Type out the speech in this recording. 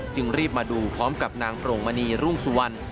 รีบมาดูพร้อมกับนางโปรงมณีรุ่งสุวรรณ